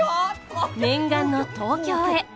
念願の東京へ。